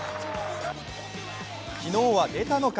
昨日は出たのか？